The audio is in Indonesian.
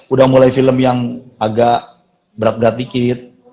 udah mulai film yang agak berat berat dikit